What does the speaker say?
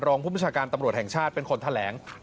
ผู้ประชาการตำรวจแห่งชาติเป็นคนแถลง